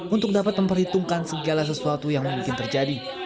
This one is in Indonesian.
untuk dapat memperhitungkan segala sesuatu yang mungkin terjadi